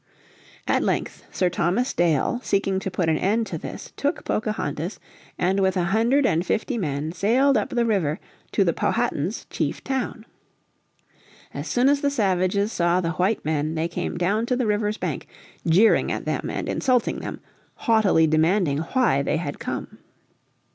At length Sir Thomas Dale, seeking to put an end to this, took Pocahontas, and with a hundred and fifty men sailed up the river to the Powhatan's chief town. As soon as the savages saw the white men they came down to the river's bank, jeering at them and insulting them, haughtily demanding why they had come.